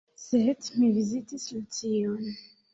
Sed mi vizitis Lucion.